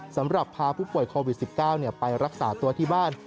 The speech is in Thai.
สำหรับพาผู้ป่วยโควิด๑๙ไปรักษาตัวที่บ้าน